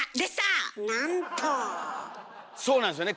そうなんですよね。